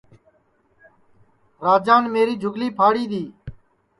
راجان میری جُھگلی پھاڑی دؔی